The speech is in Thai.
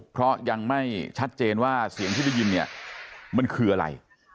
เพราะยังไม่ชัดเจนว่าเสียงที่ได้ยินเนี่ยมันคืออะไร